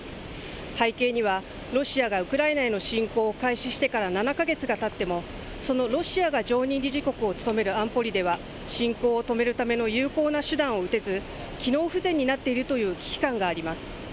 背景には、ロシアがウクライナへの侵攻を開始してから７か月がたっても、そのロシアが常任理事国を務める安保理では、侵攻を止めるための有効な手段を打てず、機能不全になっているという危機感があります。